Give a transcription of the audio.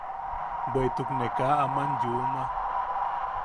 Bweʼituk ne kaa aman yuuma.